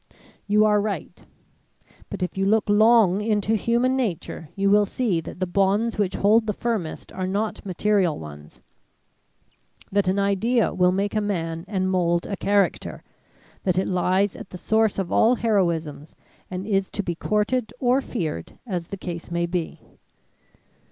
You are right; but if you look long into human nature, you will see that the bonds which hold the firmest are not material ones that an idea will make a man and mould a character that it lies at the source of all heroisms and is to be courted or feared as the case may be.